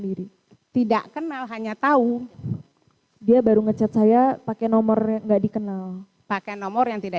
diri tidak kenal hanya tahu dia baru ngecat saya pakai nomor nggak dikenal pakai nomor yang tidak